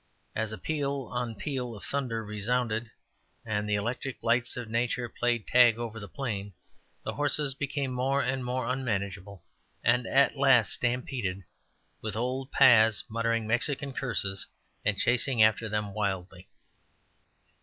As peal on peal of thunder resounded and the electric lights of nature played tag over the plain, the horses became more and more unmanageable and at last stampeded, with old Paz muttering Mexican curses and chasing after them wildly.